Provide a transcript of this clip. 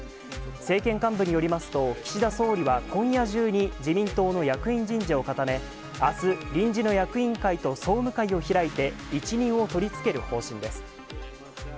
政権幹部によりますと、岸田総理は今夜中に、自民党の役員人事を固め、あす、臨時の役員会と総務会を開いて一任を取り付ける方針です。